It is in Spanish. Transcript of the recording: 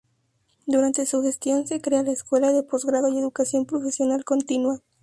Durante su gestión se crea la Escuela de Posgrado y Educación Profesional Continua.